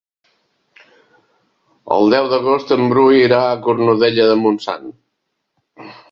El deu d'agost en Bru irà a Cornudella de Montsant.